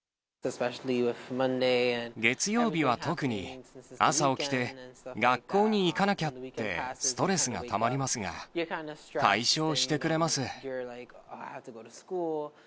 月曜日は特に、朝起きて学校に行かなきゃって、ストレスがたまりますが、解消してくれます。